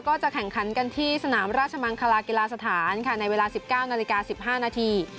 ก็จะแข่งขันกันที่สนามราชมังคลากีฬาสถานค่ะในเวลา๑๙นาฬิกา๑๕นาที